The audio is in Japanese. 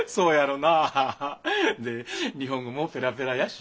で日本語もペラペラやし。